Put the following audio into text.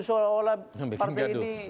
seolah olah partai ini